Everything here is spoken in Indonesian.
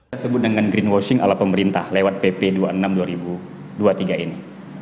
disebut dengan greenwashing ala pemerintah lewat pp dua puluh enam dua ribu dua puluh tiga ini